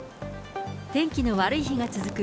天気の悪い日が続く